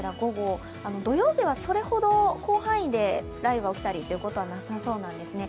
土曜日はそれほど広範囲で雷雨が起きたりということはなさそうなんですね。